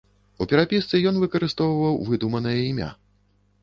У перапісцы ён выкарыстоўваў выдуманае імя.